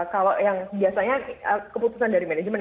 kalau yang biasanya keputusan dari manajemen